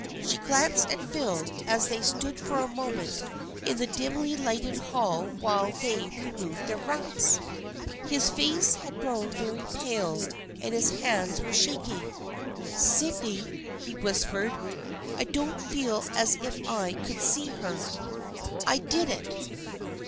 She glanced at Phil as they stood for a moment in the dimly lighted hall while they removed their wraps. His face had grown very pale, and his hands were shaking. " Sydney," he whispered. " I don't feel as if I could see her ! I did it